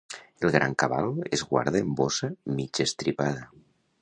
El gran cabal es guarda en bossa mig estripada.